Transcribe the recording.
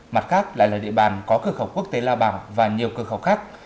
mặt khác lại là địa bàn có cơ khẩu quốc tế lao bằng và nhiều cơ khẩu khác